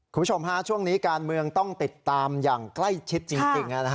คุณผู้ชมฮะช่วงนี้การเมืองต้องติดตามอย่างใกล้ชิดจริง